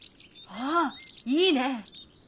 ああいいね！